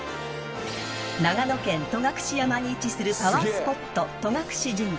［長野県戸隠山に位置するパワースポット戸隠神社］